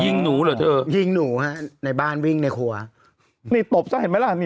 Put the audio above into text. ยิงหนูหรอเธอยิงหนูฮะในบ้านวิ่งในชั้น